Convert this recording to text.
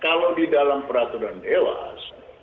kalau di dalam peraturan dewas